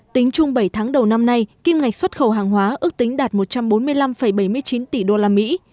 tính chung bảy tháng đầu năm nay kim ngạch xuất khẩu hàng hóa ước tính đạt một trăm bốn mươi năm bảy mươi chín tỷ usd